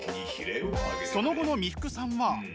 その後の三福さんは。